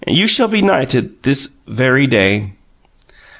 You shall be knighted this very day."